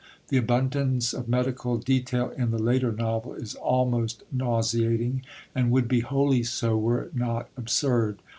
The abundance of medical detail in the later novel is almost nauseating, and would be wholly so were it not absurd.